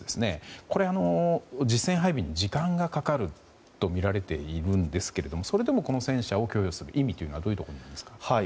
これ、実戦配備に時間がかかるとみられているんですけどもそれでもこの戦車を供与する意味はどういうところにあるんですか？